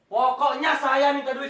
pokoknya saya minta duit